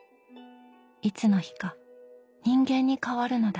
「いつの日か人間に変わるのだ」。